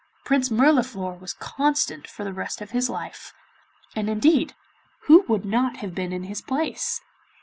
Prince Mirliflor was constant for the rest of his life. And indeed who would not have been in his place?